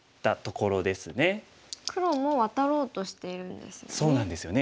黒もワタろうとしているんですよね。